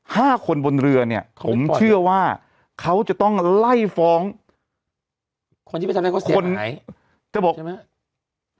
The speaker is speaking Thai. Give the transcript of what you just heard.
ห้าคนบนเรือเนี่ยผมเชื่อว่าเขาจะต้องไล่ฟ้องคนที่ไปทำให้เขาเสียหาย